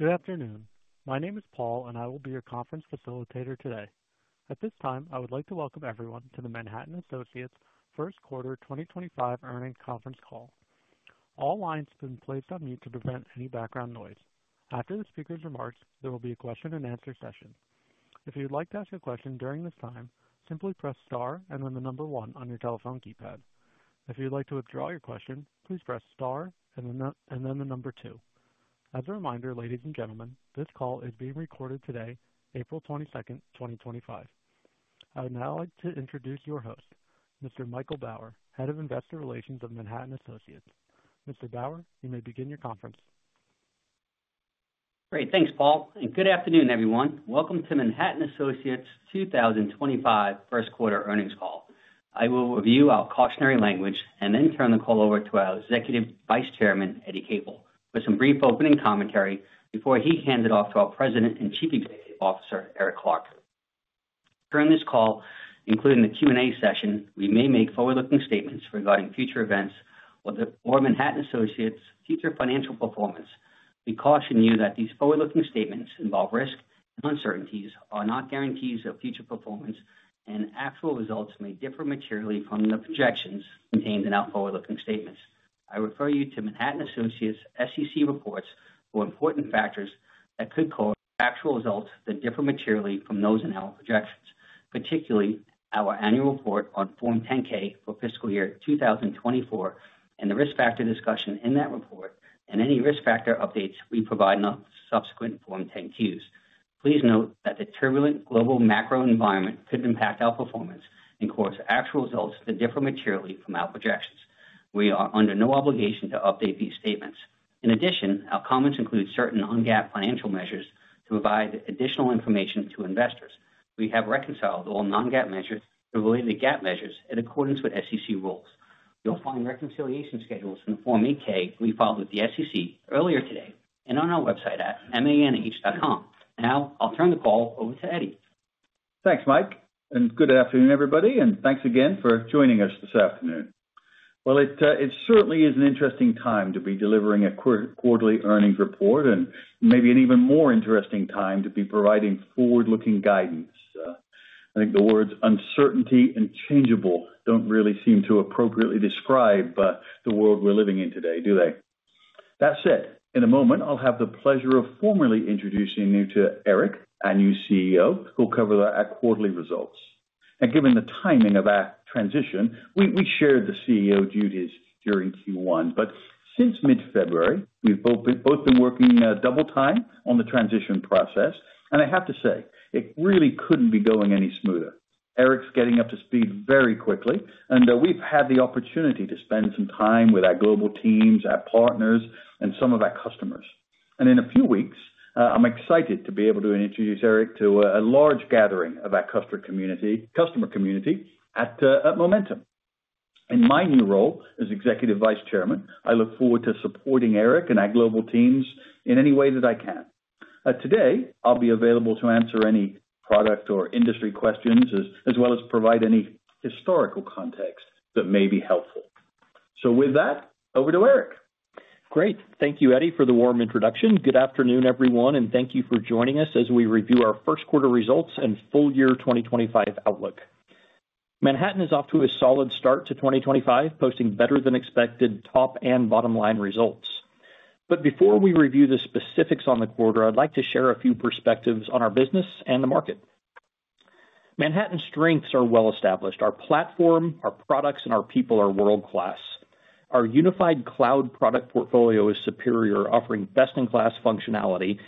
Good afternoon. My name is Paul and I will be your conference facilitator today. At this time I would like to welcome everyone to the Manhattan Associates first quarter 2025 earnings conference call. All lines have been placed on mute to prevent any background noise. After the speaker's remarks, there will be a question and answer session. If you'd like to ask a question during this time, simply press Star and then the number one on your telephone keypad. If you'd like to withdraw your question, please press Star and then the number two. As a reminder, ladies and gentlemen, this call is being recorded today, April 22, 2025. I would now like to introduce your host, Mr. Michael Bauer, Head of Investor Relations of Manhattan Associates. Mr. Bauer, you may begin your conference. Great. Thanks, Paul, and good afternoon everyone. Welcome to Manhattan Associates 2025 first quarter earnings call. I will review our cautionary language and then turn the call over to our Executive Vice Chairman Eddie Capel for some brief opening commentary before he hand it off to our President and Chief Executive Officer Eric Clark. During this call, including the Q and A session, we may make forward looking statements regarding future events or Manhattan Associates future financial performance. We caution you that these forward looking statements involve risk and uncertainties, are not guarantees of future performance, nor and actual results may differ materially from the projections contained in our forward looking statements. I refer you to Manhattan Associates SEC reports for important factors that could cause actual results to differ materially from those in our projections. Particularly our annual report on Form 10-K for fiscal year 2024 and the risk factor discussion in that report and any risk factor updates we provide on subsequent Form 10-Qs. Please note that the turbulent global macro environment could impact our performance and cause actual results to differ materially from our projections. We are under no obligation to update these statements. In addition, our comments include certain non-GAAP financial measures. To provide additional information to investors. We have reconciled all non-GAAP measures to related GAAP measures in accordance with SEC rules. You'll find reconciliation schedules in the Form 8-K we filed with the SEC earlier today and on our website at manh.com. Now I'll turn the call over to Eddie. Thanks, Mike. Good afternoon everybody. Thanks again for joining us this afternoon. It certainly is an interesting time to be delivering a quarterly earnings report and maybe an even more interesting time to be providing forward looking guidance. I think the words uncertainty and changeable do not really seem to appropriately describe the world we're living in today, do they? That said, in a moment I'll have the pleasure of formally introducing you to Eric, our new CEO who will cover our quarterly results. Given the timing of our transition, we shared the CEO duties during Q1, but since mid February we've both been working double time on the transition process and I have to say it really couldn't be going any smoother. Eric's getting up to speed very quickly and we've had the opportunity to spend some time with our global teams, our partners and some of our customers. In a few weeks, I'm excited to be able to introduce Eric to a large gathering of our customer community at Momentum. In my new role as Executive Vice Chairman, I look forward to supporting Eric and our global teams in any way that I can. Today, I'll be available to answer any product or industry questions as well as provide any historical context that may be helpful. With that, over to Eric. Great. Thank you, Eddie, for the warm introduction. Good afternoon, everyone, and thank you for joining us as we review our first quarter results and full year 2025 outlook. Manhattan is off to a solid start to 2025, posting better than expected top and bottom line results. Before we review the specifics on the quarter, I'd like to share a few perspectives on our business and the market. Manhattan strengths are well established. Our platform, our products, and our people are world class. Our unified cloud product portfolio is superior, offering best in class functionality.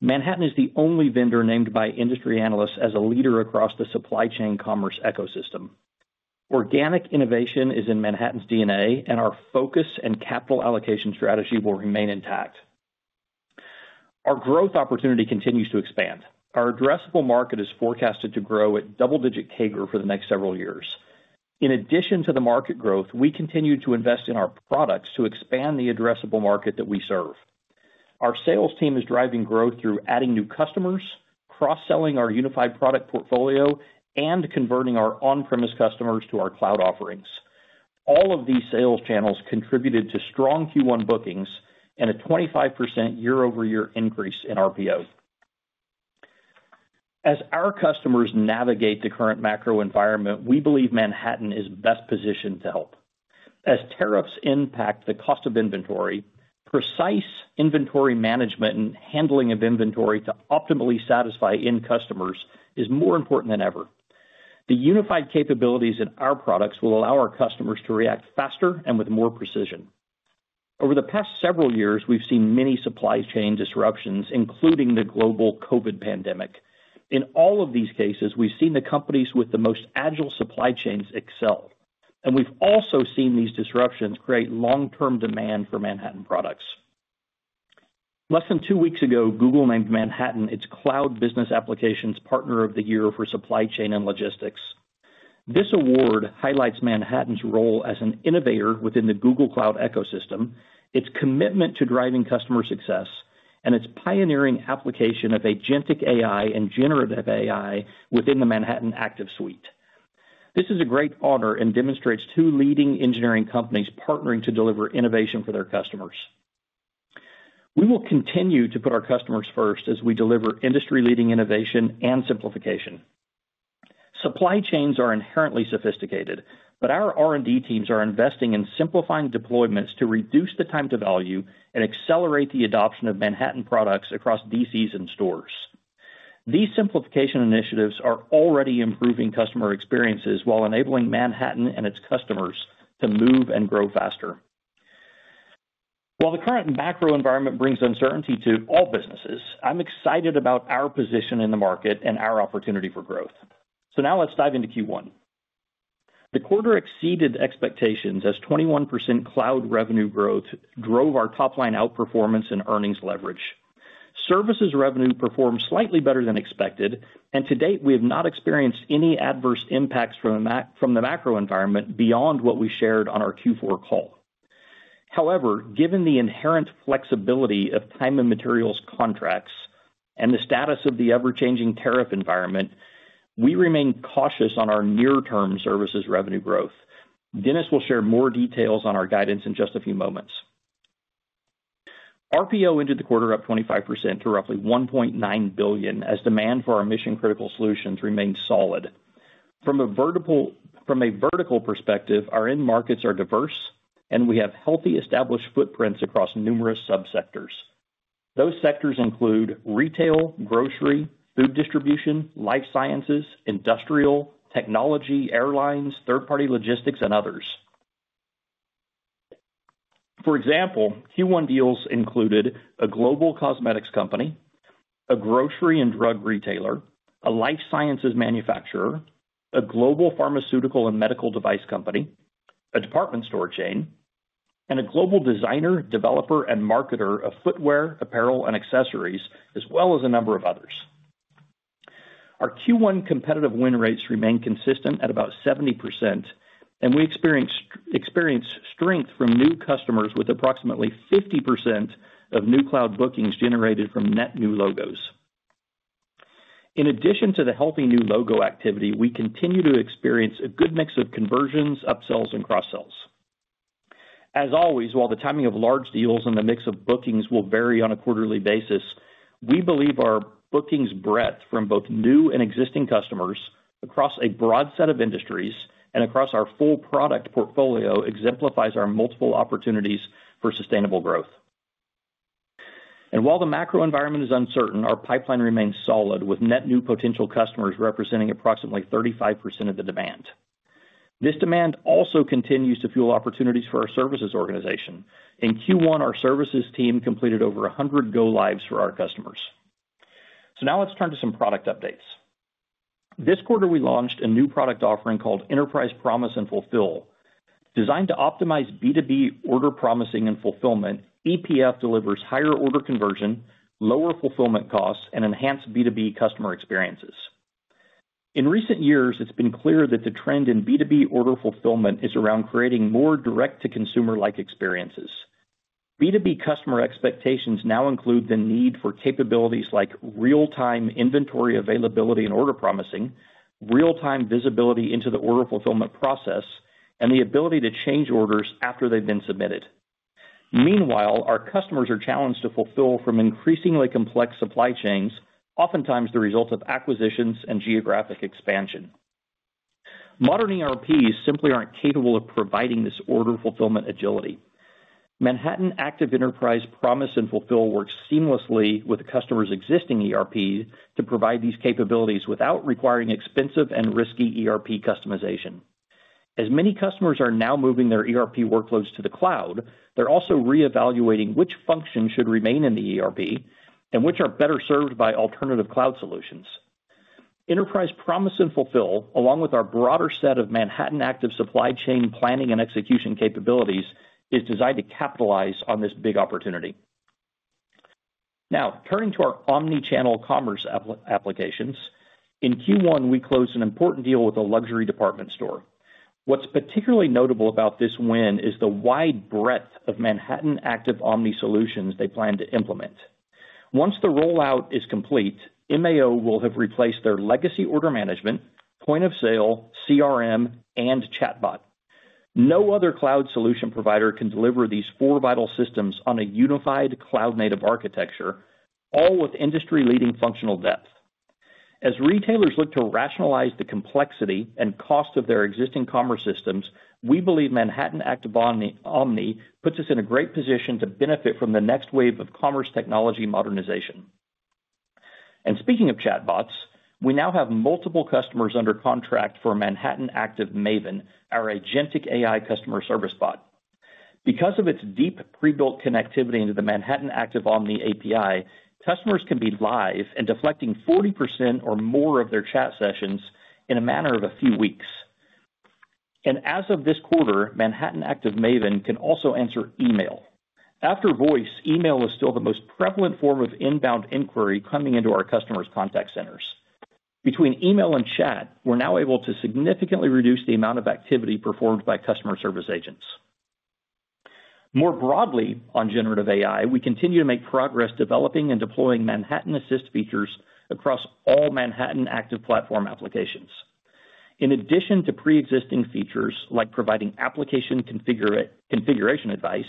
Manhattan is the only vendor named by industry analysts as a leader across the supply chain commerce ecosystem. Organic innovation is in Manhattan's DNA, and our focus and capital allocation strategy will remain intact. Our growth opportunity continues to expand. Our addressable market is forecasted to grow at double-digit CAGR for the next several years. In addition to the market growth, we continue to invest in our products to expand the addressable market that we serve. Our sales team is driving growth through adding new customers, cross selling our unified product portfolio, and converting our on-premises customers to our cloud offerings. All of these sales channels contributed to strong Q1 bookings and a 25% year-over-year increase in RPO. As our customers navigate the current macro environment, we believe Manhattan is best positioned to help as tariffs impact the cost of inventory. Precise inventory management and handling of inventory to optimally satisfy end customers is more important than ever. The unified capabilities in our products will allow our customers to react faster and with more precision. Over the past several years we've seen many supply chain disruptions including the global COVID pandemic. In all of these cases, we've seen the companies with the most agile supply chains excel and we've also seen these disruptions create long term demand for Manhattan products. Less than two weeks ago, Google named Manhattan its Cloud Business Applications Partner of the Year for Supply Chain and Logistics. This award highlights Manhattan's role as an innovator within the Google Cloud ecosystem and its commitment to driving customer success and its pioneering application of agentic AI and generative AI within the Manhattan Active suite. This is a great honor and demonstrates two leading engineering companies partnering to deliver innovation for their customers. We will continue to put our customers first as we deliver industry-leading innovation and simplification. Supply chains are inherently sophisticated, but our R&D teams are investing in simplifying deployments to reduce the time to value and accelerate the adoption of Manhattan products across DCs and stores. These simplification initiatives are already improving customer experiences while enabling Manhattan and its customers to move and grow faster. While the current macro environment brings uncertainty to all businesses, I'm excited about our position in the market and our opportunity for growth. Now let's dive into Q1. The quarter exceeded expectations as 21% cloud revenue growth drove our top line outperformance and earnings leverage. Services revenue performed slightly better than expected and to date we have not experienced any adverse impacts from the macro environment beyond what we shared on our Q4 call. However, given the inherent flexibility of time and materials contracts and the status of the ever changing tariff environment, we remain cautious on our near term services revenue growth. Dennis will share more details on our guidance in just a few moments. RPO ended the quarter up 25% to roughly $1.9 billion as demand for our mission critical solutions remains solid. From a vertical perspective, our end markets are diverse and we have healthy established footprints across numerous subsectors. Those sectors include retail, grocery, food distribution, life sciences, industrial technology, airlines, third party logistics and others. For example, Q1 deals included a global cosmetics company, a grocery and drug retailer, a life sciences manufacturer, a global pharmaceutical and medical device company, a department store chain, and a global designer, developer and marketer of footwear, apparel and accessories as well as a number of others. Our Q1 competitive win rates remain consistent at about 70% and we experience strength from new customers with approximately 50% of new cloud bookings generated from net new logos. In addition to the healthy new logo activity, we continue to experience a good mix of conversions, upsells and cross sells. As always, while the timing of large deals and the mix of bookings will vary on a quarterly basis, we believe our bookings breadth from both new and existing customers, across a broad set of industries and across our full product portfolio, exemplifies our multiple opportunities for sustainable growth. While the macro environment is uncertain, our pipeline remains solid with net new potential customers representing approximately 35% of the demand. This demand also continues to fuel opportunities for our services organization. In Q1, our services team completed over 100 go-lives for our customers. Let's turn to some product updates. This quarter we launched a new product offering called Enterprise Promise and Fulfill designed to optimize B2B order promising and fulfillment. EPF delivers higher order conversion, lower fulfillment costs, and enhanced B2B customer experiences. In recent years, it's been clear that the trend in B2B order fulfillment is around creating more direct to consumer like experiences. B2B customer expectations now include the need for capabilities like real time inventory availability and order promising, real time visibility into the order fulfillment process, and the ability to change orders after they've been submitted. Meanwhile, our customers are challenged to fulfill from increasingly complex supply chains, oftentimes the result of acquisitions and geographic expansion. Modern ERPs simply aren't capable of providing this order fulfillment agility. Manhattan Active Enterprise Promise and Fulfill works seamlessly with the customer's existing ERP to provide these capabilities without requiring expensive and risky ERP customization. As many customers are now moving their ERP workloads to the cloud, they're also reevaluating which functions should remain in the ERP and which are better served by alternative cloud solutions. Enterprise Promise and Fulfill, along with our broader set of Manhattan Active supply chain planning and execution capabilities, is designed to capitalize on this big opportunity. Now turning to our omnichannel commerce applications. In Q1 we closed an important deal with a luxury department store. What's particularly notable about this win is the wide breadth of Manhattan Active Omni solutions they plan to implement. Once the rollout is complete, MAO will have replaced their legacy order management, point of sale, CRM, and chatbot. No other cloud solution provider can deliver these four vital systems on a unified cloud native architecture, all with industry leading functional depth. As retailers look to rationalize the complexity and cost of their existing commerce systems, we believe Manhattan Active Omni puts us in a great position to benefit from the next wave of commerce technology modernization. Speaking of chatbots, we now have multiple customers under contract for Manhattan Active Maven, our agentic AI customer service bot. Because of its deep pre built connectivity into the Manhattan Active Omni API, customers can be live and deflecting 40% or more of their chat sessions in a matter of a few weeks. As of this quarter, Manhattan Active Maven can also answer email after voice. Email is still the most prevalent form of inbound inquiry coming into our customers' contact centers. Between email and chat, we're now able to significantly reduce the amount of activity performed by customer service agents. More broadly on generative AI, we continue to make progress developing and deploying Manhattan Assist features across all Manhattan Active platform applications. In addition to pre-existing features like providing application configuration advice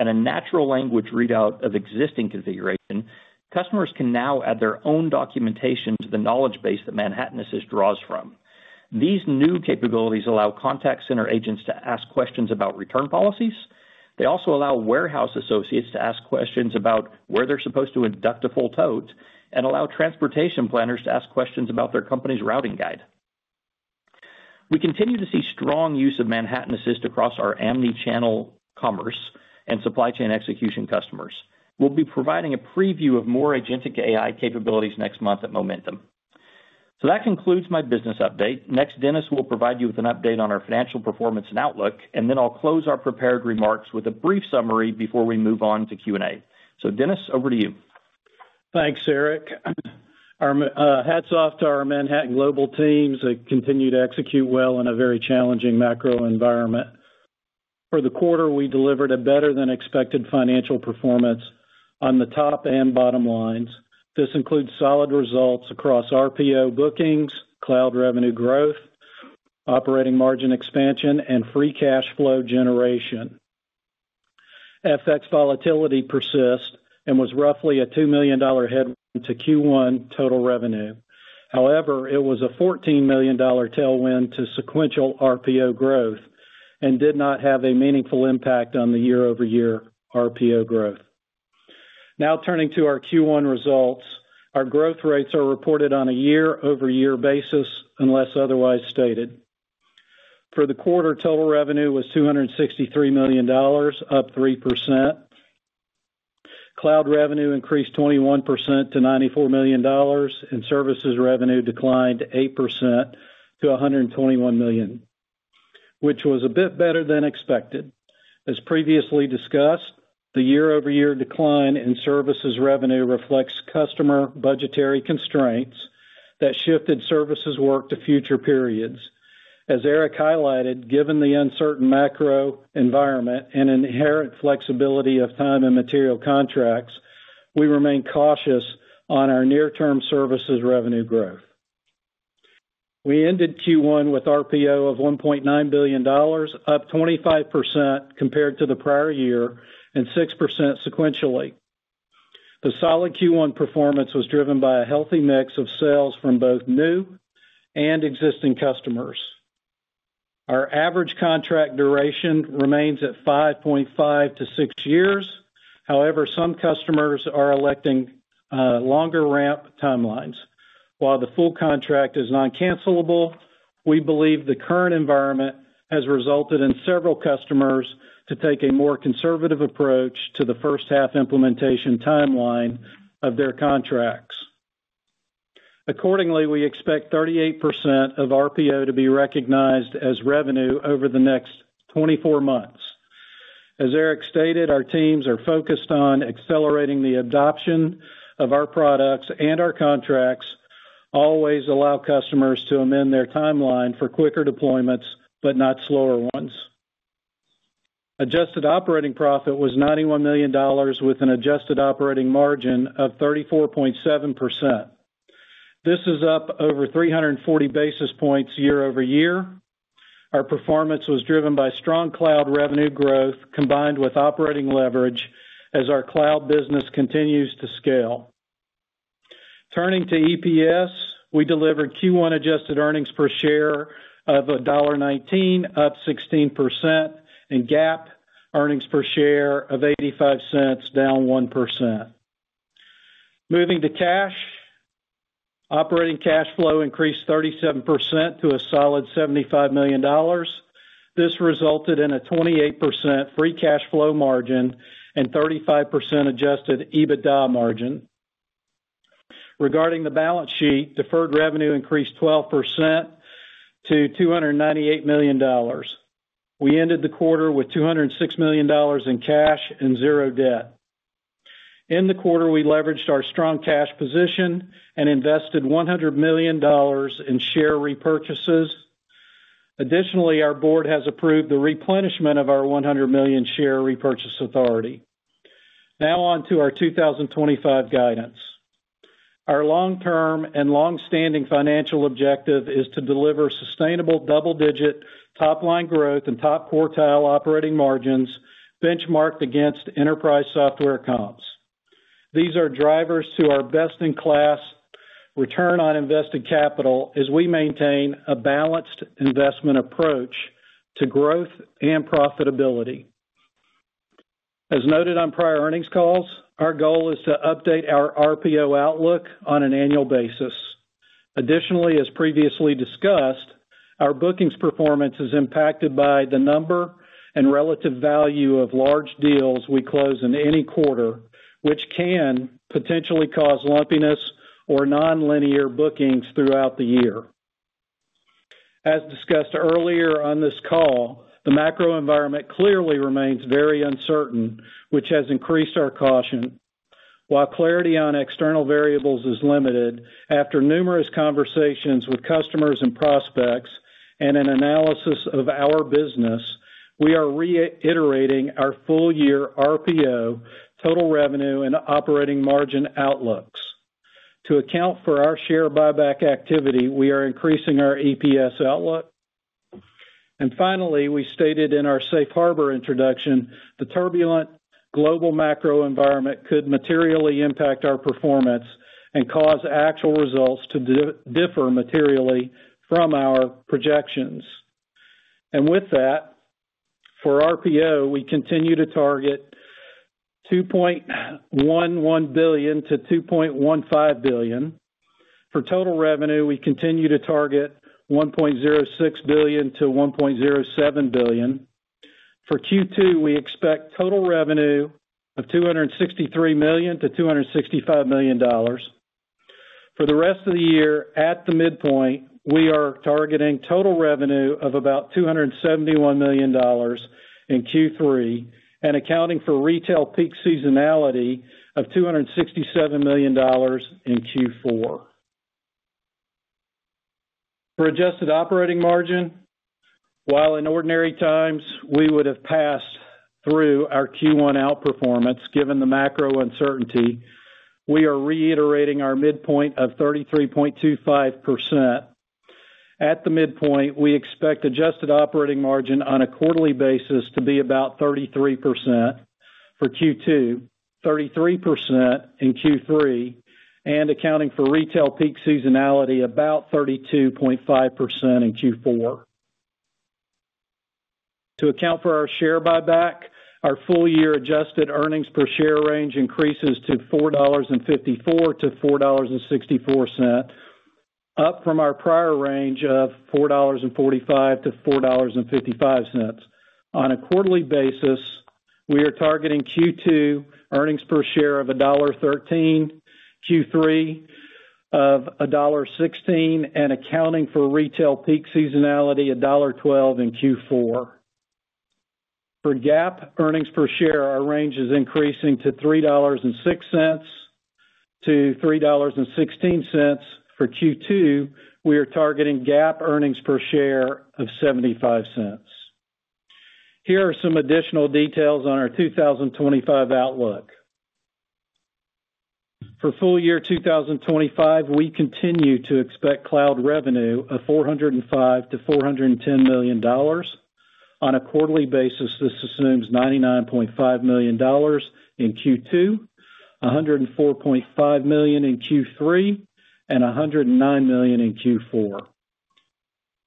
and a natural language readout of existing configuration, customers can now add their own documentation to the knowledge base that Manhattan Assist draws from. These new capabilities allow contact center agents to ask questions about return policies. They also allow warehouse associates to ask questions about where they're supposed to induct a full tote and allow transportation planners to ask questions about their company's routing guide. We continue to see strong use of Manhattan Assist across our omnichannel commerce and supply chain execution. Customers will be providing a preview of more agentic AI capabilities next month at Momentum. That concludes my business update. Next, Dennis will provide you with an update on our financial performance and outlook, and then I'll close our prepared remarks with a brief summary before we move on to Q and A. Dennis, over to you. Thanks Eric. Hats off to our Manhattan Global teams. They continue to execute well in a very challenging macro environment. For the quarter, we delivered a better than expected financial performance on the top and bottom lines. This includes solid results across RPO bookings, cloud revenue growth, operating margin expansion and free cash flow. Generation FX volatility persists and was roughly a $2 million headwind to Q1 total revenue. However, it was a $14 million tailwind to sequential RPO growth and did not have a meaningful impact on the year over year RPO growth. Now turning to our Q1 results, our growth rates are reported on a year over year basis unless otherwise stated. For the quarter, total revenue was $263 million, up 3%. Cloud revenue increased 21% to $94 million and services revenue declined 8% to $121 million, which was a bit better than expected. As previously discussed, the year over year decline in services revenue reflects customer budgetary constraints that shifted services work to future periods. As Eric highlighted, given the uncertain macro environment and inherent flexibility of time and material contracts, we remain cautious on our near term services revenue growth. We ended Q1 with RPO of $1.9 billion, up 25% compared to the prior year and 6% sequentially. The solid Q1 performance was driven by a healthy mix of sales from both new and existing customers. Our average contract duration remains at 5.5-6 years. However, some customers are electing longer ramp timelines while the full contract is noncancellable. We believe the current environment has resulted in several customers to take a more conservative approach to the first half implementation timeline of their contracts. Accordingly, we expect 38% of RPO to be recognized as revenue over the next 24 months. As Eric stated, our teams are focused on accelerating the adoption of our products and our contracts always allow customers to amend their timeline for quicker deployments but not slower ones. Adjusted operating profit was $91 million with an adjusted operating margin of 34.7%. This is up over 340 basis points year over year. Our performance was driven by strong cloud revenue growth combined with operating leverage as our cloud business continues to scale. Turning to EPS, we delivered Q1 adjusted earnings per share of $1.19 up 16% and GAAP earnings per share of $0.85 down 1%. Moving to cash, operating cash flow increased 37% to a solid $75 million. This resulted in a 28% free cash flow margin and 35% adjusted EBITDA margin. Regarding the balance sheet, deferred revenue increased 12% to $298 million. We ended the quarter with $206 million in cash and zero debt. In the quarter, we leveraged our strong cash position and invested $100 million in share repurchases. Additionally, our Board has approved the replenishment of our $100 million share repurchase authority. Now on to our 2025 guidance. Our long term and long standing financial objective is to deliver sustainable double digit top line growth and top quartile operating margins benchmarked against enterprise software comps. These are drivers to our best in class return on invested capital as we maintain a balanced investment approach to growth and profitability. As noted on prior earnings calls, our goal is to update our RPO outlook on an annual basis. Additionally, as previously discussed, our bookings performance is impacted by the number and relative value of large deals we close in any quarter which can potentially cause lumpiness or nonlinear bookings throughout the year. As discussed earlier on this call, the macro environment clearly remains very uncertain which has increased our caution. While clarity on external variables is limited, after numerous conversations with customers and prospects and an analysis of our business, we are reiterating our full year RPO, total revenue, and operating margin outlooks. To account for our share buyback activity, we are increasing our EPS outlook. Finally, as stated in our Safe Harbor Introduction, the turbulent global macro environment could materially impact our performance and cause actual results to differ materially from our projections. With that, for RPO, we continue to target $2.11 billion-$2.15 billion. For total revenue, we continue to target $1.06 billion-$1.07 billion. For Q2, we expect total revenue of $263 million-$265 million. For the rest of the year, at the midpoint, we are targeting total revenue of about $271 million in Q3 and accounting for retail peak seasonality of $267 million in Q4 for adjusted operating margin. While in ordinary times we would have passed through our Q1 outperformance given the macro uncertainty, we are reiterating our midpoint of 33.25%. At the midpoint, we expect adjusted operating margin on a quarterly basis to be about 33% for Q2, 33% in Q3 and accounting for retail peak seasonality, about 32.5% in Q4. To account for our share buyback, our full year adjusted earnings per share range increases to $4.54-$4.60 up from our prior range of $4.45-$4.55. On a quarterly basis, we are targeting Q2 earnings per share of $1.13, Q3 of $1.16 and accounting for retail peak seasonality, $1.12 in Q4. For GAAP earnings per share, our range is increasing to $3.06-$3.16. For Q2 we are targeting GAAP earnings per share of $0.75. Here are some additional details on our 2025 outlook. For full year 2025 we continue to expect cloud revenue of $405-$410 million. On a quarterly basis this assumes $99.5 million in Q2, $104.5 million in Q3 and $109 million in Q4.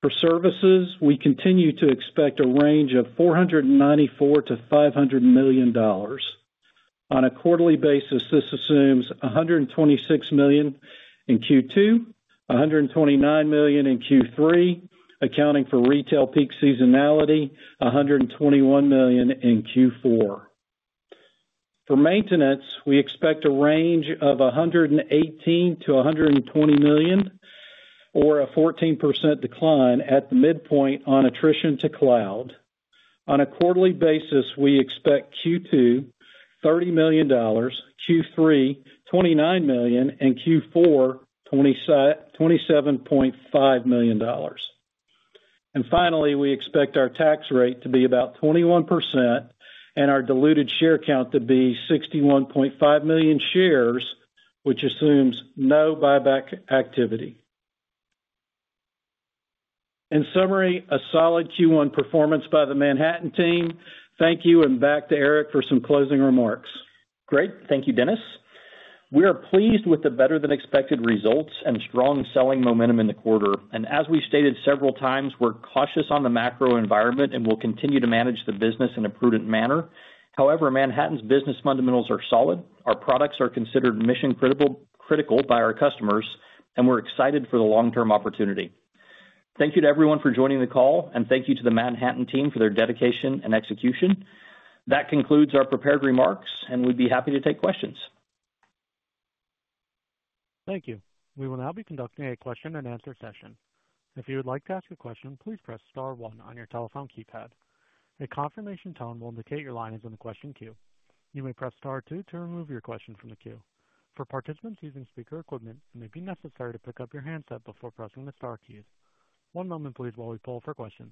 For services, we continue to expect a range of $494-$500 million. On a quarterly basis this assumes $126 million in Q2, $129 million in Q3 and, accounting for retail peak seasonality, $121 million in Q4. For maintenance, we expect a range of $118 million-$120 million or a 14% decline at the midpoint on attrition to cloud. On a quarterly basis, we expect Q2 $30 million, Q3 $29 million and Q4 $27.5 million and finally, we expect our tax rate to be about 21% and our diluted share count to be 61 million shares, which assumes no buyback activity. In summary, a solid Q1 performance by the Manhattan team. Thank you. Back to Eric for some closing remarks. Great. Thank you, Dennis. We are pleased with the better than expected results and strong selling momentum in the quarter. As we stated several times, we're cautious on the macro environment and will continue to manage the business in a prudent manner. However, Manhattan's business fundamentals are solid. Our products are considered mission critical by our customers and we're excited for the long term opportunity. Thank you to everyone for joining the call and thank you to the Manhattan team for their dedication and execution. That concludes our prepared remarks and we'd be happy to take questions. Thank you. We will now be conducting a question and answer session. If you would like to ask a question, please press star one on your telephone keypad. A confirmation tone will indicate your line is in the question queue. You may press star two to remove your question from the queue. For participants using speaker equipment, it may be necessary to pick up your handset before pressing the star keys. One moment please, while we poll for questions.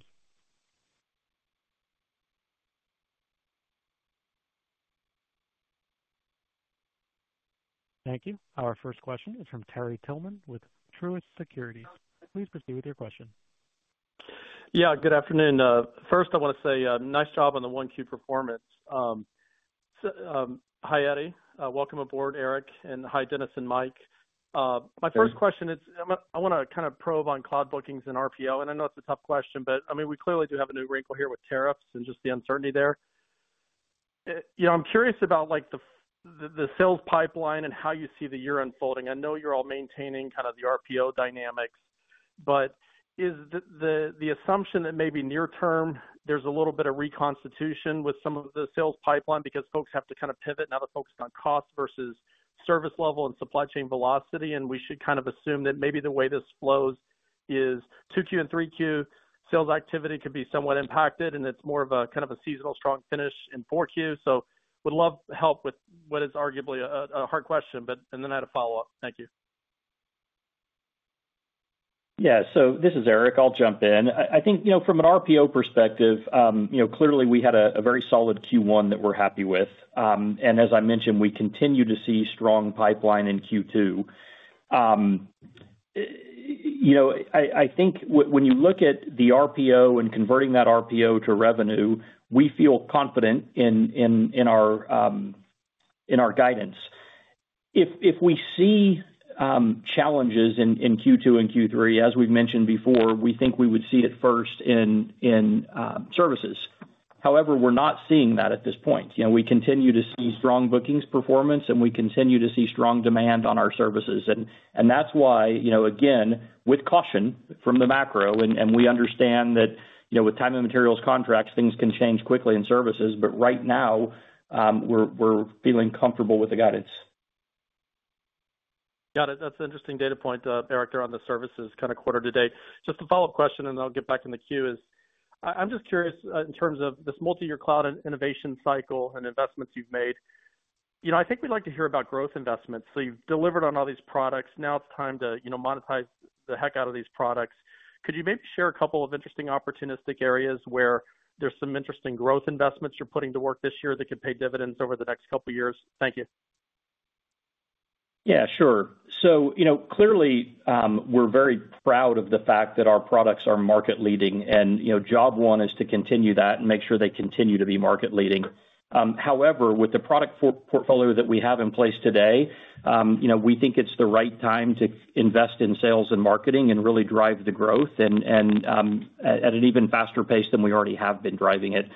Thank you. Our first question is from Terry Tillman with Truist Securities. Please proceed with your question. Yeah, good afternoon. First, I want to say nice job on the 1Q performance. Hi, Eddie. Welcome aboard. Eric. And hi Dennis and Mike. My first question is I want to kind of probe on cloud bookings and RPO and I know it's a tough question, but I mean, we clearly do have a new wrinkle here with tariffs and just the uncertainty there. You know, I'm curious about like the, the sales pipeline and how you see the year unfolding. I know you're all maintaining kind of the RPO dynamics, but is the assumption that maybe near term there's a little bit of reconstitution with some of the sales pipeline because folks have to kind of pivot now, the focus on cost versus service level and supply chain velocity. We should kind of assume that maybe the way this flows is 2Q and 3Q sales activity could be somewhat impacted. It is more of a kind of a seasonal strong finish in 4Q. I would love help with what is arguably a hard question, but. I had a follow up. Thank you. Yeah, so this is Eric. I'll jump in. I think, you know, from an RPO perspective, you know, clearly we had a very solid Q1 that we're happy with. As I mentioned, we continue to see strong pipeline in Q2. You know, I think when you look at the RPO and converting that RPO to revenue, we feel confident in our guidance. If we see challenges in Q2 and Q3, as we've mentioned before, we think we would see it first in services. However, we're not seeing that at this point. We continue to see strong bookings performance and we continue to see strong demand on our services. That's why, again with caution from the macro. We understand that, you know, with time and materials contracts, things can change quickly in services. Right now we're feeling comfortable with the guidance. Got it. That's an interesting data point, Eric, there on the services kind of quarter to date. Just a follow up question and I'll get back in the queue is I'm just curious in terms of this multi year cloud innovation cycle and investments you've made, you know, I think we'd like to hear about growth investments. So you've delivered on all these products. Now it's time to, you know, monetize the heck out of these products. Could you maybe share a couple of interesting opportunistic areas where there's some interesting growth investments you're putting to work this year that could pay dividends over the next couple years? Thank you. Yeah, sure. You know, clearly we're very proud of the fact that our products are market leading and, you know, job one is to continue that and make sure they continue to be market leading. However, with the product portfolio that we have in place today, you know, we think it's the right time to invest in sales and marketing and really drive the growth at an even faster pace than we already have been driving it.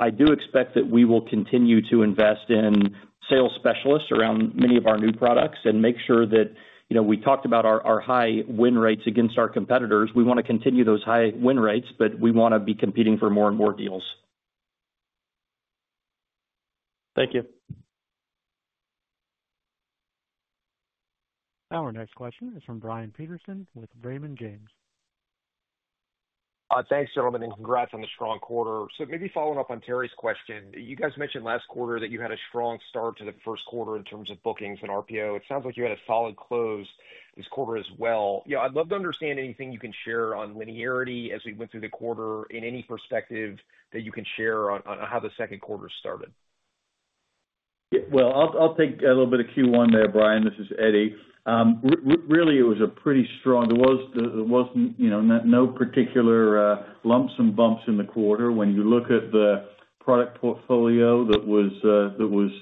I do expect that we will continue to invest in sales specialists around many of our new products and make sure that, you know, we talked about our high win rates against our competitors. We want to continue those high win rates, but we want to be competing for more and more deals. Thank you. Our next question is from Brian Peterson with Raymond James. Thanks, gentlemen, and congrats on the strong quarter. Maybe following up on Terry's question, you guys mentioned last quarter that you had a strong start to the first quarter in terms of bookings and RPO, it sounds like you had a solid close this quarter as well. I'd love to understand anything you can share on linearity as we went through the quarter and any perspective that you can share on how the second quarter started. I'll take a little bit of Q1 there. Brian, this is Eddie. Really, it was pretty strong. There was no particular lumps and bumps in the quarter. When you look at the product portfolio that was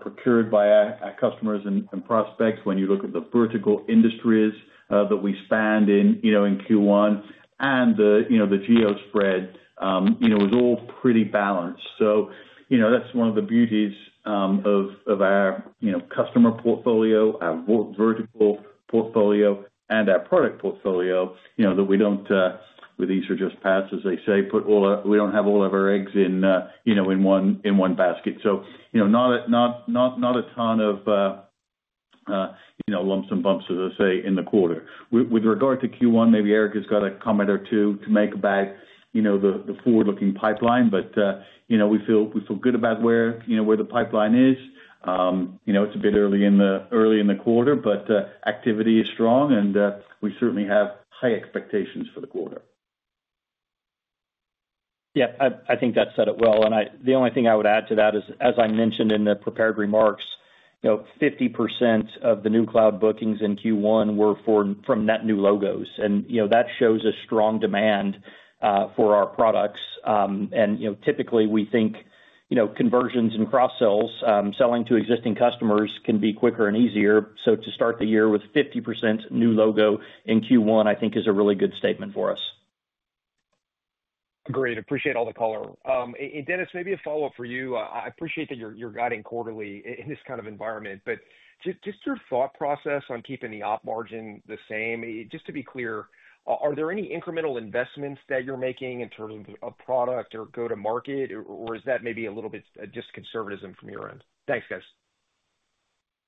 procured by our customers and prospects, when you look at the vertical industries that we spanned in Q1 and the geo spread, it was all pretty balanced. That's one of the beauties of our customer portfolio, our vertical portfolio, and our product portfolio that we deal with. These are just pats, as they say. We don't have all of our eggs in one basket. Not a ton of lumps and bumps, as I say, in the quarter. With regard to Q1, maybe Eric has got a comment or two to make about the forward-looking pipeline, but we feel good about where the pipeline is. It's a bit early in the quarter but activity is strong and we certainly have high expectations for the quarter. Yeah, I think that said it well. The only thing I would add to that is as I mentioned in the prepared remarks, 50% of the new cloud bookings in Q1 were from net new logos and you know that shows a strong demand for our products. You know, typically we think, you know, conversions and cross sells, selling to existing customers can be quicker and easier. To start the year with 50% new logo in Q1 I think is a really good statement for us. Great. Appreciate all the color. Dennis, maybe a follow up for you. I appreciate that you're guiding quarterly in this kind of environment, but just your thought process on keeping the op margin the same. Just to be clear, are there any incremental investments that you're making in terms of product or go to market or is that maybe a little bit just conservatism from your end? Thanks guys.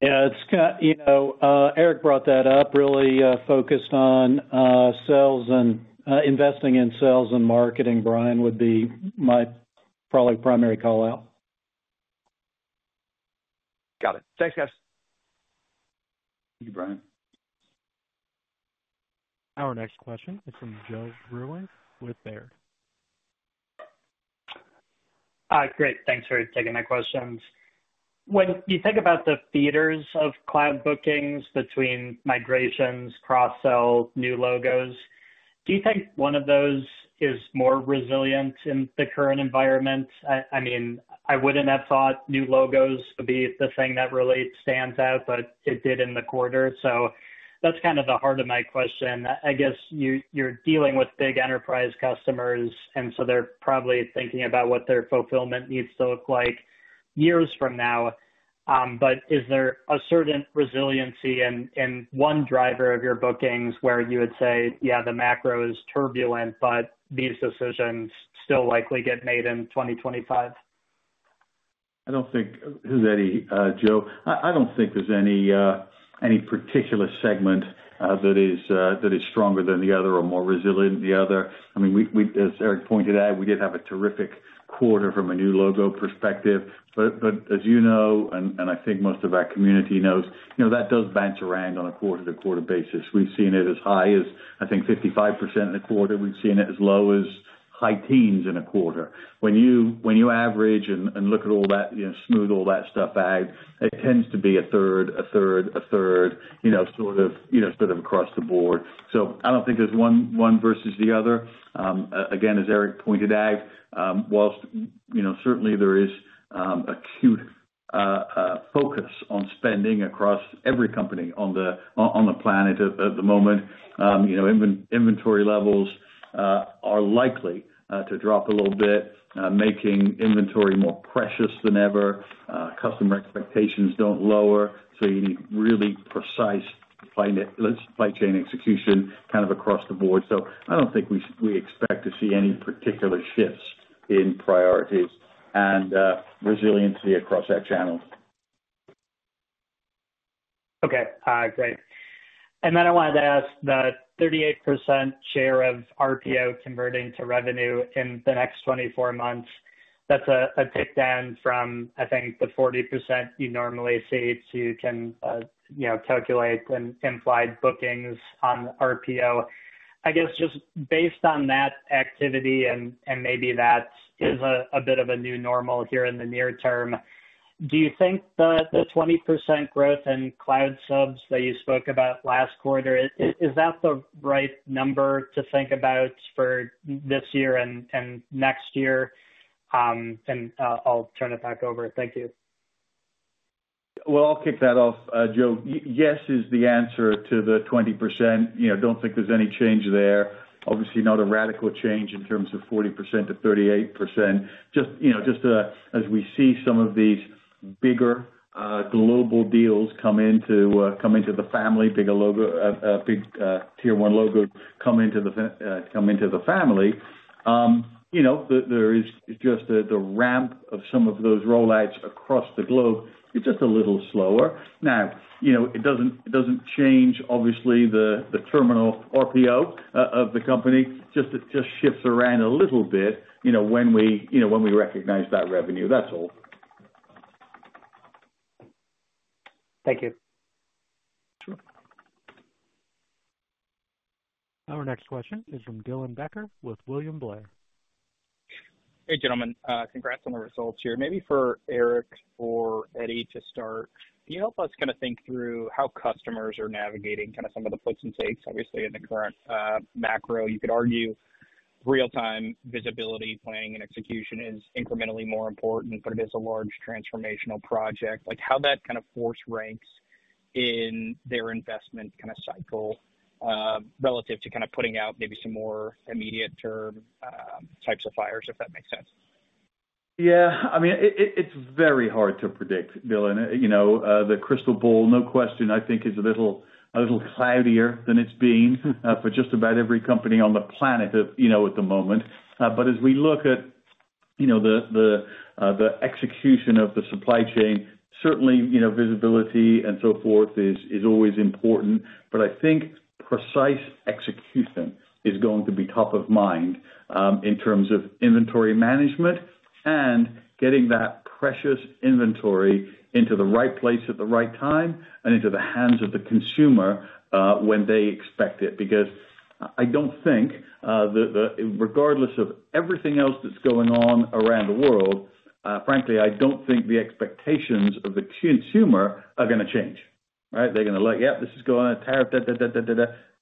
Yeah, it's, you know, Eric brought that up, really focused on sales and investing in sales and marketing. Brian would be my probably primary call out. Got it. Thanks guys. Thank you, Brian. Our next question is from Joe Vruwink with Baird. Great, thanks for taking that question. When you think about the theaters of cloud bookings between migrations, cross-sell, new logos, do you think one of those is more resilient in the current environment? I mean, I would not have thought new logo would be the thing that really stands out, but it did in the quarter. That is kind of the heart of my question. I guess you are dealing with big enterprise customers, and so they are probably thinking about what their fulfillment needs to look like years from now. Is there a certain resiliency in one driver of your bookings where you would say, yeah, the macro is turbulent, but these decisions still likely get made in 2025? I don't think, it's Eddie, Joe, I don't think there's any particular segment that is stronger than the other or more resilient than the other. I mean, as Eric pointed out, we did have a terrific quarter from a new logo perspective. As you know, and I think most of our community knows, that does bounce around on a quarter to quarter basis. We've seen it as high as, I think, 55% in the quarter. We've seen it as low as high teens in a quarter. When you average and look at all that, you know, smooth all that stuff out, it tends to be a third, a third, a third, you know, sort of, you know, sort of across the board. I don't think there's one versus the other. Again, as Eric pointed out, whilst, you know, certainly there is acute focus on spending across every company on the, on the planet at the moment. You know, inventory levels are likely to drop a little bit, making inventory more precious than ever. Customer expectations don't lower, so you need really precise supply chain execution kind of across the board. I don't think we expect to see any particular shifts in priorities and resiliency across our channels. Okay, great. I wanted to ask, the 38% share of RPO converting to revenue in the next 24 months, that's a tick down from I think the 40% you normally see. You can calculate implied bookings on RPO, I guess, just based on that activity. Maybe that is a bit of a new normal here in the near term. Do you think that the 20% growth in cloud subs that you spoke about last quarter, is that the right number to think about for this year and next year? I'll turn it back over. Thank you. I'll kick that off. Joe? Yes. Is the answer to the 20%. I don't think there's any change there. Obviously not a radical change in terms of 40% to 38%. Just, you know, just as we see some of these bigger global deals come into the family, bigger logo, big tier one logo come into the family. You know, there is just the ramp of some of those rollouts across the globe. It's just a little slower now. You know, it doesn't change. Obviously the terminal RPO of the company just shifts around a little bit, you know, when we recognize that revenue. That's all. Thank you. Our next question is from Dylan Becker with William Blair. Hey, gentlemen, congrats on the results here. Maybe for Eric or Eddie to start. Can you help us kind of think through how customers are navigating kind of some of the puts and takes, obviously in the current macro you could argue you real time visibility, planning and execution is incrementally more important. It is a large transformational project like how that kind of force ranks in their investment kind of cycle relative to kind of putting out maybe some more immediate term types of fires, if that makes sense. Yeah, I mean it's very hard to predict, Dylan. You know, the crystal ball, no question, I think is a little, little cloudier than it's been for just about every company on the planet at the moment. As we look at the execution of the supply chain, certainly visibility and so forth is always important. I think precise execution is going to be top of mind in terms of inventory management and getting that precious inventory into the right place at the right time and into the hands of the consumer when they expect it. I don't think regardless of everything else that's going on around the world, frankly, I don't think the expectations of the consumer are going to change. Right. They're going to look, yeah, this is going to tariff,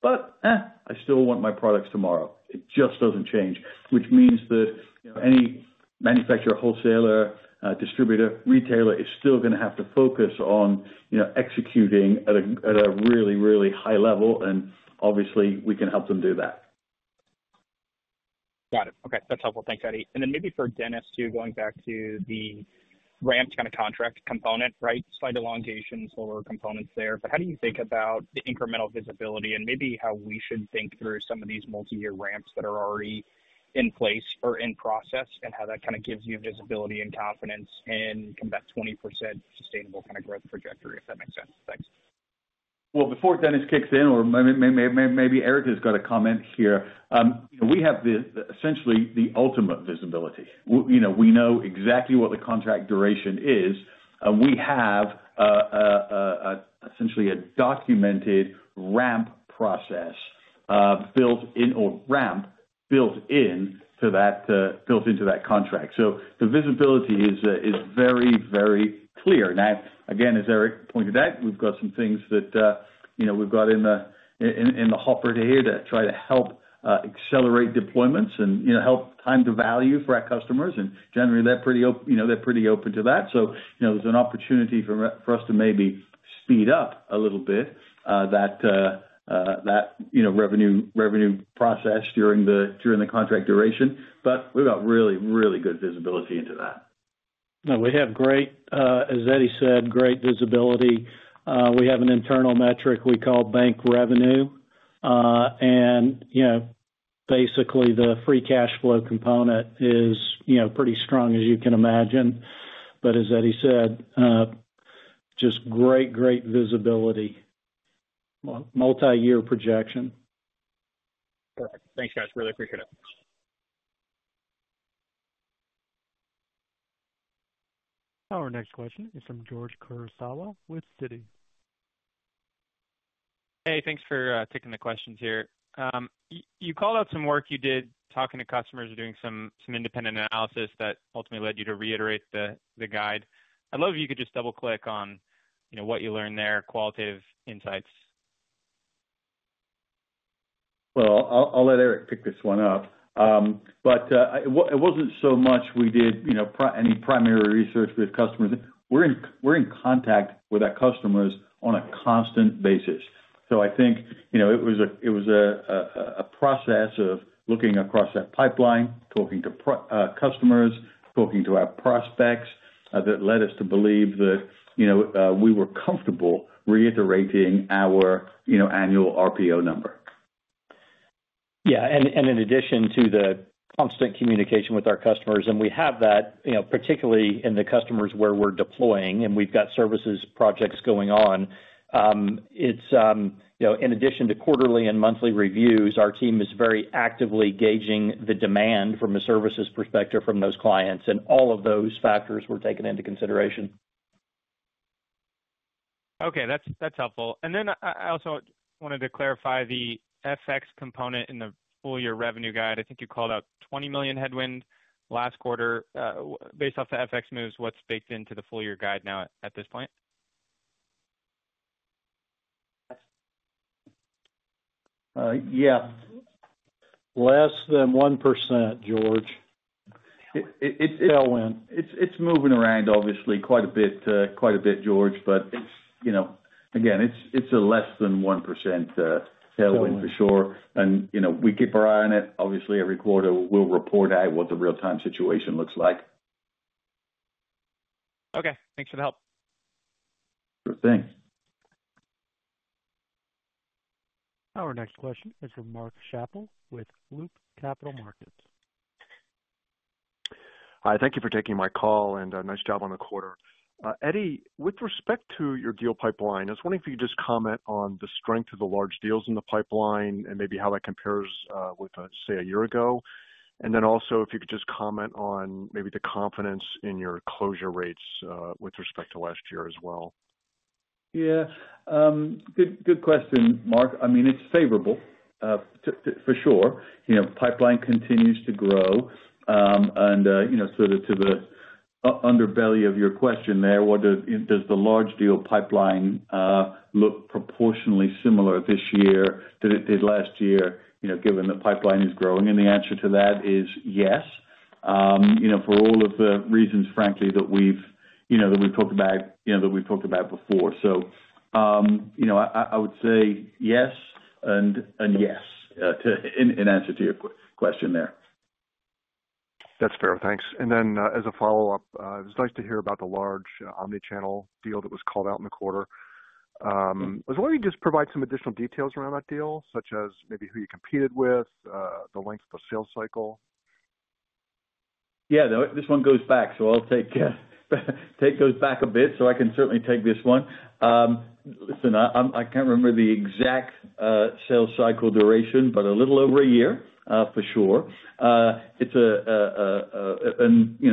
but I still want my products tomorrow. It just doesn't change. Which means that any manufacturer, wholesaler, distributor, retailer is still going to have to focus on executing at a really, really high level and obviously we can help them do that. Got it. Okay, that's helpful. Thanks Eddie. Maybe for Dennis too, going back to the ramped kind of contract component, right, slight elongation, slower components there. How do you think about the incremental visibility and maybe how we should think through some of these multi year ramps that are already in place or in process and how that kind of gives you visibility and confidence in that 20% sustainable kind of growth trajectory, if that makes sense. Thanks. Before Dennis kicks in or maybe Eric has a comment here, we have essentially the ultimate visibility. We know exactly what the contract duration is. We have essentially a documented ramp process built in, or ramp built in to that, built into that contract. The visibility is very, very clear. Now, again, as Eric pointed out, we've got some things that, you know, we've got in the hopper here to try to help accelerate deployments and, you know, help time to value for our customers. Generally, they're pretty open, you know, they're pretty open to that. There is an opportunity for us to maybe speed up a little bit that revenue process during the contract duration. We have really, really good visibility into that. We have great, as Eddie said, great visibility. We have an internal metric we call bank revenue and basically the free cash flow component is pretty strong as you can imagine. As Eddie said, just great, great visibility, multi year projection. Thanks, guys, really appreciate it. Our next question is from George Kurosawa with Citi. Hey, thanks for taking the questions here. You called out some work you did talking to customers, doing some independent analysis that ultimately led you to reiterate the guide. I'd love if you could just double click on what you learned there, qualitative insights. I'll let Eric pick this one up. It was not so much we did any primary research with customers. We're in contact with our customers on a constant basis. I think it was a process of looking across that pipeline, talking to customers, talking to our prospects that led us to believe that, you know, we were comfortable reiterating our, you know, annual RPO number. Yeah. In addition to the constant communication with our customers, we have that, you know, particularly in the customers where we're deploying and we've got services projects going on. It's, you know, in addition to quarterly and monthly reviews, our team is very actively gauging the demand from a services perspective from those clients and all of those factors were taken into consideration. Okay, that's helpful. I also wanted to clarify the FX component in the full year revenue guide. I think you called out $20 million headwind last quarter based off the FX moves. What's baked into the full year guide now at this point? Yeah, less than 1%, George. Tailwind. It's moving around obviously quite a bit, George. But it's, you know, again, it's a less than 1% tailwind for sure. And you know, we keep our eye on it, obviously every quarter we'll report out what the real time situation looks like. Okay, thanks for the help. Sure, thanks. Our next question is from Mark Schappel with Loop Capital Markets. Hi, thank you for taking my call and nice job on the quarter. Eddie, with respect to your deal pipeline, I was wondering if you could just comment on the strength of the large deals in the pipeline and maybe how that compares with say a year ago. If you could just comment on maybe the confidence in your closure rates with respect to last year as well. Yeah, good question, Mark. I mean, it's favorable for sure. You know, pipeline continues to grow and you know, sort of to the underbelly of your question there, does the large deal pipeline look proportionally similar this year than it did last year, given that pipeline is growing? The answer to that is yes, for all of the reasons, frankly, that we've talked about, that we've talked about before. I would say yes and yes, in answer to your question there. That's fair. Thanks. As a follow up, it was nice to hear about the large omnichannel deal that was called out in the quarter. Why don't you just provide some additional details around that deal, such as maybe who you competed with, the length of the sales cycle. Yeah, this one goes back, so I'll take those back a bit. I can certainly take this one. Listen, I can't remember the exact sales cycle duration, but a little over a year for sure.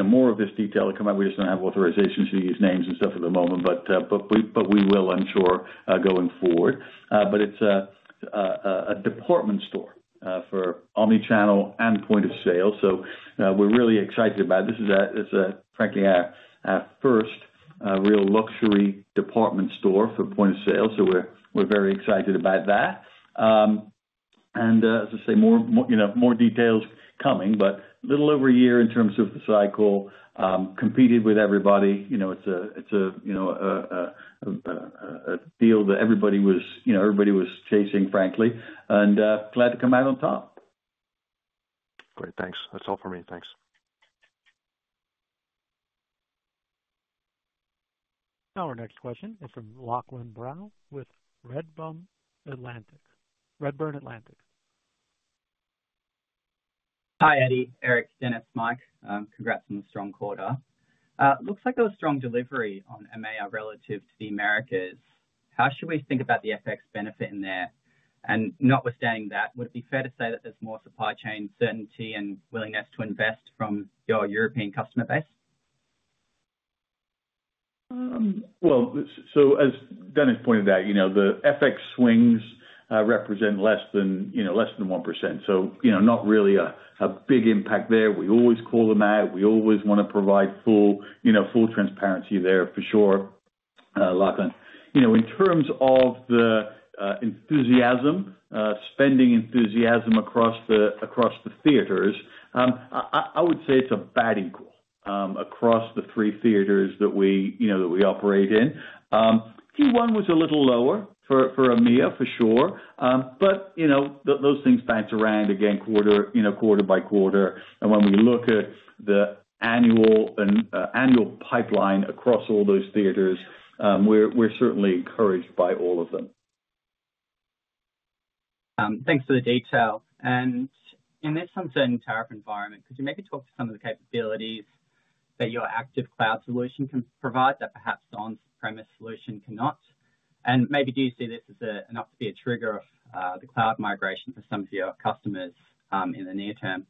More of this detail will come up. We just don't have authorizations to use names and stuff at the moment. We will, I'm sure, going forward. It's a department store for Omni Channel and point of sale. We're really excited about this. This is frankly our first real luxury department store for point of sale. We're very excited about that. As I say, more details coming, but little over a year in terms of the cycle. Competed with everybody, you know, it's a, you know, a deal that everybody was, you know, everybody was chasing, frankly. Glad to come out on top. Great, thanks. That's all for me, thanks. Our next question is from Lachlan Brown with Redburn Atlantic, Redburn Atlantic. Hi, Eddie, Eric, Dennis, Mike, congrats on the strong quarter. Looks like there was strong delivery on EMEA relative to the Americas. How should we think about the FX benefit in there? Notwithstanding that, would it be fair to say that there's more supply chain certainty and willingness to invest from your European customer base? Well. As Dennis pointed out, you know, the FX swings represent less than, you know, less than 1%. You know, not really a big impact there. We always call them out. We always want to provide full transparency there, for sure. Lachlan, in terms of the enthusiasm, spending enthusiasm across the theaters, I would say it's about equal across the three theaters that we operate in. Q1 was a little lower for EMEA for sure. Those things bounce around again, quarter by quarter. When we look at the annual pipeline across all those theaters, we're certainly encouraged by all of them. Thanks for the detail. In this uncertain tariff environment, could you maybe talk to some of the capabilities that your active cloud solution can provide that perhaps the on premise solution cannot? Maybe do you see this as enough to be a trigger of the cloud migration for some of your customers in the near term?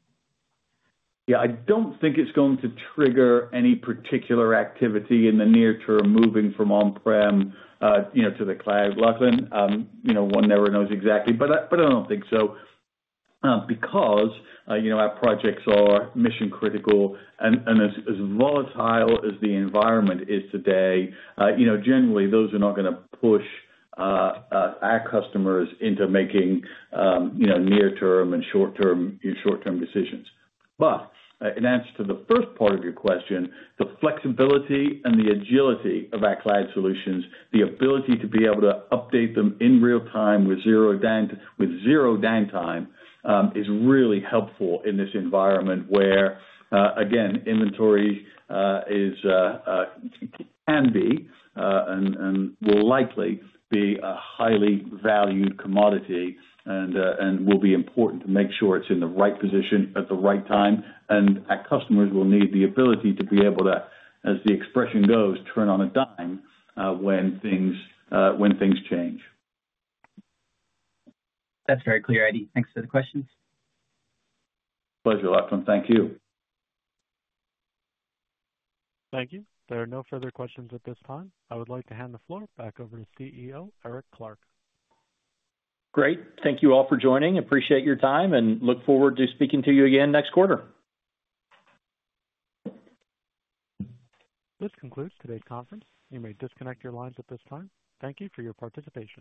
Yeah, I don't think it's going to trigger any particular activity in the near term moving from on-prem to the cloud. Lachlan, one never knows exactly. I don't think so because our projects are mission critical and as volatile as the environment is today, generally those are not going to push our customers into making near term and short term decisions. In answer to the first part of your question, the flexibility and the agility of our cloud solutions, the ability to be able to update them in real time with zero downtime is really helpful in this environment where, again, inventory can be and will likely be a highly valued commodity and will be important to make sure it's in the right position at the right time. Our customers will need the ability to be able to, as the expression goes, turn on a dime when things change. That's very clear. Eddie, thanks for the questions. Pleasure, Lachlan. Thank you. Thank you. There are no further questions at this time. I would like to hand the floor back over to CEO Eric Clark. Great. Thank you all for joining. Appreciate your time and look forward to speaking to you again next quarter. This concludes today's conference. You may disconnect your lines at this time. Thank you for your participation.